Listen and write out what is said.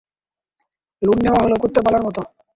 Loan নেওয়া হলো কুত্তা পালার মতো।